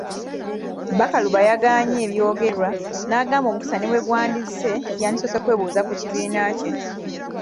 Bakaluba yeegaanye ebyogerwa n'agamba omukisa ne bwe gwandizze yandisoose kwebuuza ku kibiina kye.